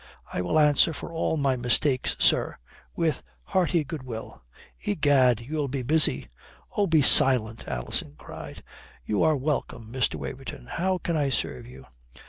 "I will answer for all my mistakes, sir, with hearty goodwill." "Egad, you'll be busy." "Oh, be silent!" Alison cried. "You are welcome, Mr. Waverton. How can I serve you?"